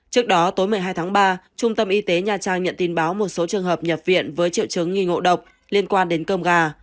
trước đó tối một mươi hai tháng ba trung tâm y tế nha trang nhận tin báo một số trường hợp nhập viện với triệu chứng nghi ngộ độc liên quan đến cơm gà